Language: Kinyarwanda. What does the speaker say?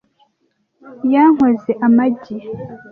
Yankoze amagi.